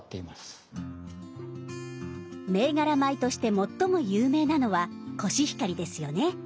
銘柄米として最も有名なのはコシヒカリですよね。